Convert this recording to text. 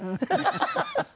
ハハハハ！